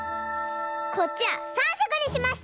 こっちは３しょくにしました！